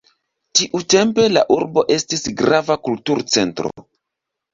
Tiutempe la urbo estis grava kulturcentro.